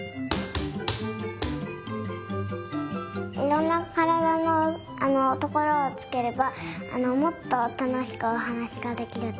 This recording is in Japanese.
いろんなからだのところをつければもっとたのしくおはなしができるとおもったから。